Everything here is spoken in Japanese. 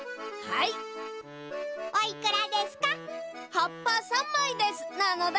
はっぱ３まいですなのだ。